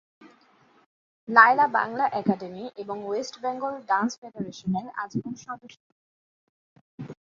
Laila Bangla academy এবং West Bengal dance ফেডারেশনের আজীবন সদস্য।